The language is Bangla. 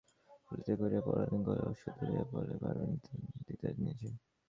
তুলিতে করিয়া পরানের গলায় ওষুধ লাগাইয়া বলে, পারবে দিতে নিজে?